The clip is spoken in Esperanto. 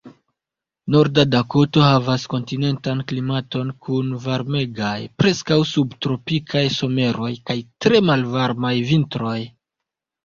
Norda Dakoto havas kontinentan klimaton kun varmegaj, preskaŭ subtropikaj someroj kaj tre malvarmaj vintroj.